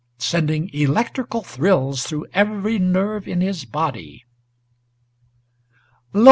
Sending electrical thrills through every nerve in his body. Lo!